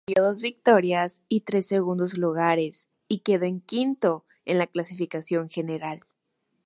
Consiguió dos victorias y tres segundos lugares, y quedó quinto en la clasificación general.